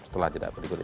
setelah jeda berikut ini